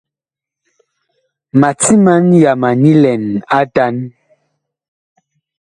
Ma timan yama nyi lɛn atan.